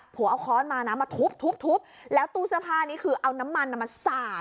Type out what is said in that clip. เอาค้อนมานะมาทุบทุบแล้วตู้เสื้อผ้านี้คือเอาน้ำมันมาสาด